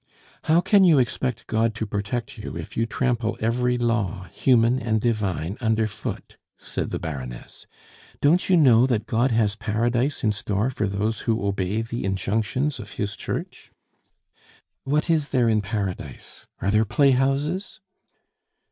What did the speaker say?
"How can you expect God to protect you if you trample every law, human and divine, under foot?" said the Baroness. "Don't you know that God has Paradise in store for those who obey the injunctions of His Church?" "What is there in Paradise? Are there playhouses?"